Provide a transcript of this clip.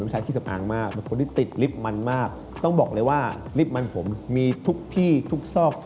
สถานหโรคคนต่างครับ